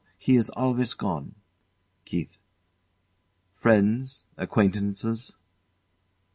He is always gone. KEITH. Friends acquaintances?